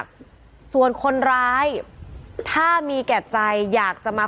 ก็เป็นสถานที่ตั้งมาเพลงกุศลศพให้กับน้องหยอดนะคะ